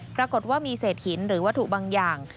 ปรากฏว่ามีเศษหินหรือวัตถุบางอย่าง